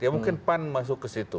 ya mungkin pan masuk ke situ